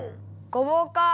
ごぼうかあ。